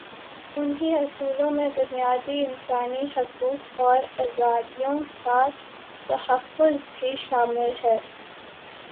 انہی اصولوں میں بنیادی انسانی حقوق اور آزادیوں کا تحفظ بھی شامل ہے۔